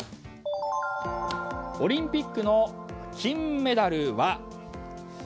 オリンピックの金メダルは。